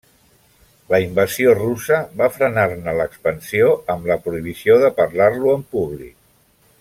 La invasió russa va frenar-ne l’expansió, amb la prohibició de parlar-lo en públic.